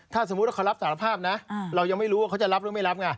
ถ้าสมมุติว่าเขารับสารภาพนะเรายังไม่รู้ว่าเขาจะรับหรือไม่รับไง